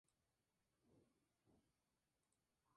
Fue editado en vinilo y casete por el sello Orfeo.